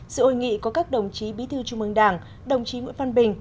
sự hội nghị có các đồng chí bí thư trung ương đảng đồng chí nguyễn văn bình